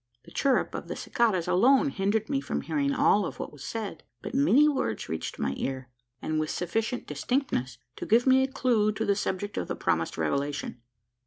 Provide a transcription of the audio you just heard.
The chirrup of the cicadas alone hindered me from hearing all of what was said; but many words reached my ear, and with sufficient distinctness, to give me a clue to the subject of the promised revelation.